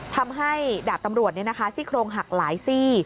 ทำให้ดาบตำรวจซี่โครงหักหลายซี่